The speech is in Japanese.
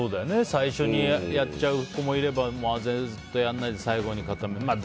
最初にやっちゃう子もいればずっとやらないで最後に固めてやって。